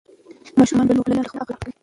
ماشومان د لوبو له لارې خپل عقل پراخوي.